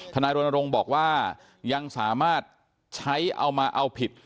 นายรณรงค์บอกว่ายังสามารถใช้เอามาเอาผิด